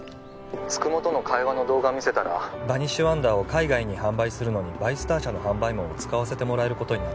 ☎九十九との会話の動画見せたらバニッシュワンダーを海外に販売するのにバイスター社の販売網を使わせてもらえることになった